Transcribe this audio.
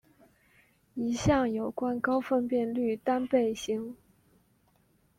一项有关高分辨率单倍型。